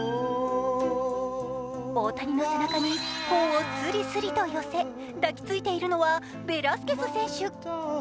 大谷の背中に頬をスリスリと寄せ抱きついているのはベラスケス選手。